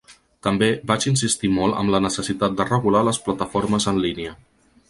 També vaig insistir molt amb la necessitat de regular les plataformes en línia.